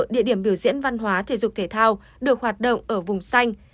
địa điểm biểu diễn văn hóa thể dục thể thao được hoạt động ở vùng xanh